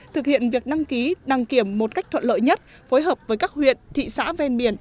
thực hiện việc đăng ký đăng kiểm một cách thuận lợi nhất phối hợp với các huyện thị xã ven biển